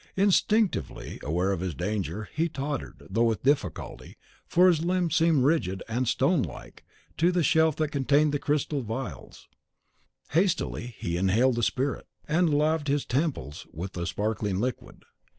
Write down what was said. Instinctively aware of his danger, he tottered, though with difficulty, for his limbs seemed rigid and stone like, to the shelf that contained the crystal vials; hastily he inhaled the spirit, and laved his temples with the sparkling liquid.